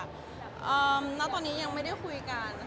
อเรนนี่ได้ฟังค่ะณตอนนี้ยังไม่ได้คุยกันนะคะต่างคนต่างทำงาน